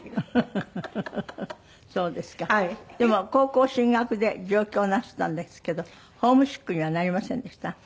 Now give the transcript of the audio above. でも高校進学で上京なすったんですけどホームシックにはなりませんでした？